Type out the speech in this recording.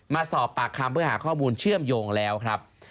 มาสอบปากคำเพื่อหาข้อมูลเชื่อมโยงแล้วครับ